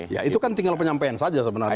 ya itu kan tinggal penyampaian saja sebenarnya